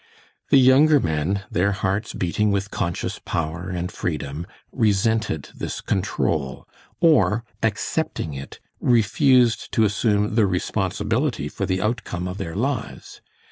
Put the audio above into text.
The younger men, their hearts beating with conscious power and freedom, resented this control, or accepting it, refused to assume the responsibility for the outcome of their lives.